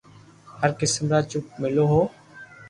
هر قسم را چپ ملو هو